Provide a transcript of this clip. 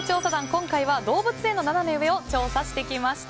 今回は動物園のナナメ上を調査してきました。